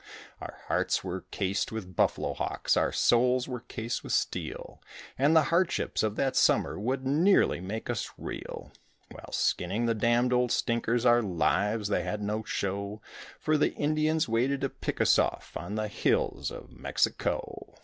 Our hearts were cased with buffalo hocks, our souls were cased with steel, And the hardships of that summer would nearly make us reel. While skinning the damned old stinkers our lives they had no show, For the Indians waited to pick us off on the hills of Mexico.